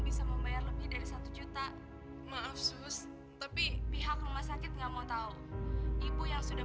bisa membayar lebih dari satu juta maaf sus tapi pihak rumah sakit nggak mau tahu ibu yang sudah